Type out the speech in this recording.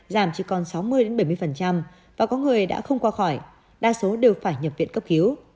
giảm chỉ còn sáu mươi bảy mươi và có người đã không qua khỏi đa số đều phải nhập viện cấp cứu